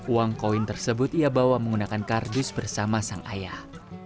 uang koin tersebut ia bawa menggunakan kardus bersama sang ayah